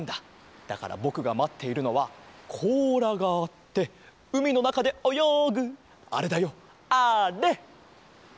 だからぼくがまっているのはこうらがあってうみのなかでおよぐあれだよあれ！